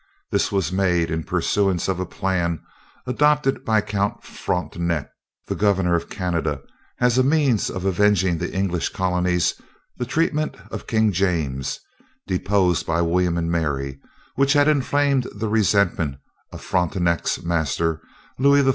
This was made in pursuance of a plan adopted by Count Frontenac, then governor of Canada, as a means of avenging on the English Colonies the treatment of King James, deposed by William and Mary, which had inflamed the resentment of Frontenac's master, Louis XIV.